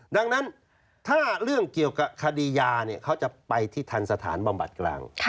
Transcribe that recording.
ดังนั้นถ้าเรื่องเกี่ยวกับคดียาเนี่ยเขาจะไปที่ทันสถานบำบัดกลาง